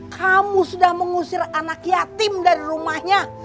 kamu sudah mengusir anak yatim dari rumahnya